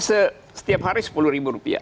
setiap hari sepuluh rupiah